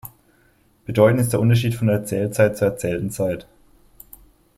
Bedeutend ist der Unterschied von Erzählzeit zur erzählten Zeit.